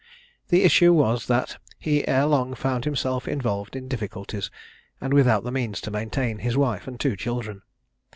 The issue was, that he ere long found himself involved in difficulties, and without the means to maintain his wife and two children.